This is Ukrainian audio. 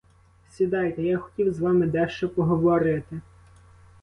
Сідайте, я хотів з вами дещо поговорити.